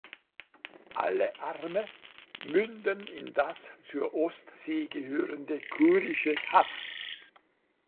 Alle Arme münden in das zur Ostsee gehörende Kurische Haff.